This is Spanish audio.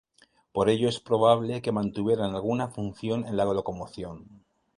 Por ello es probable que mantuviera alguna función en la locomoción.